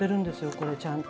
これちゃんと。